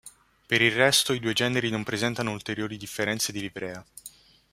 Per il resto, i due generi non presentano ulteriori differenze di livrea.